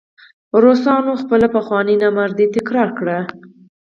روسانو خپله پخوانۍ نامردي تکرار کړه.